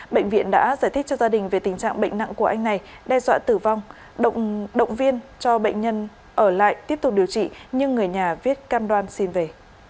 bệnh viện đã giải thích cho gia đình về tình trạng bệnh nặng của anh này đe dọa tử vong động viên cho bệnh nhân ở lại tiếp tục điều trị nhưng người nhà viết cam đoan xin về